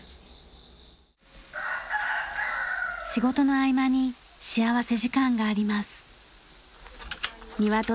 仕事の合間に幸福時間があります。